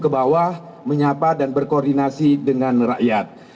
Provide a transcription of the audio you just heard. bahwa menyapa dan berkoordinasi dengan rakyat